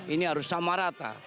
ini harus sama rata